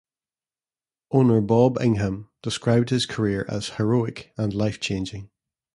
Owner Bob Ingham described his career as 'heroic' and 'life-changing'.